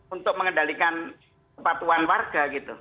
untuk mengendalikan kepatuhan warga gitu